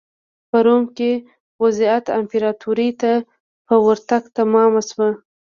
په روم کې وضعیت امپراتورۍ ته په ورتګ تمام شو.